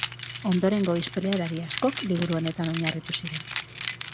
Ondorengo historialari askok liburu honetan oinarritu ziren.